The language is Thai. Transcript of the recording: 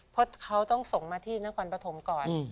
เพราะเขาต้องส่งมาที่นครปฐมก่อน